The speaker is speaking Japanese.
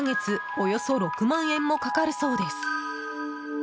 およそ６万円もかかるそうです。